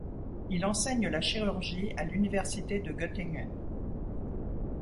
Il enseigne la chirurgie à l’université de Göttingen.